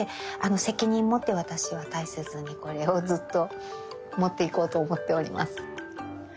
責任持って私は大切にこれをずっと持っていこうと思っております。